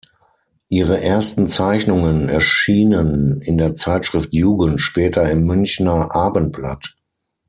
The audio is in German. Ihre ersten Zeichnungen erschienen in der Zeitschrift "Jugend", später im "Münchner Abendblatt".